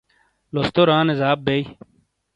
لوستورآنے زاب بئیی۔